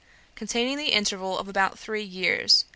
Containing The Interval Of About Three Years.